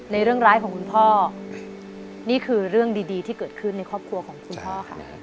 เรื่องร้ายของคุณพ่อนี่คือเรื่องดีที่เกิดขึ้นในครอบครัวของคุณพ่อค่ะ